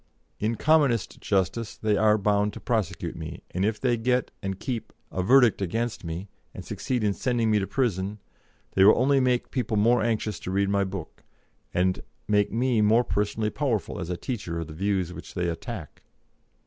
In commonest justice they are bound to prosecute me, and if they get, and keep, a verdict against me, and succeed in sending me to prison, they will only make people more anxious to read my book, and make me more personally powerful as a teacher of the views which they attack."